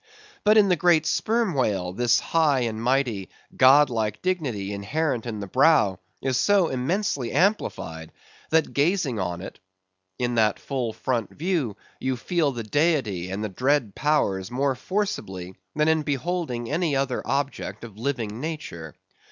But in the great Sperm Whale, this high and mighty god like dignity inherent in the brow is so immensely amplified, that gazing on it, in that full front view, you feel the Deity and the dread powers more forcibly than in beholding any other object in living nature.